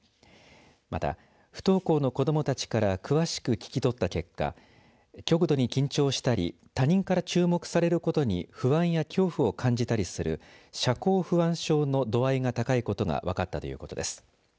また、不登校の子どもたちから詳しく聞き取った結果極度に緊張したり他人から注目されることに不安や恐怖を感じたりする社交不安症の度合いが高いことが分かったということです。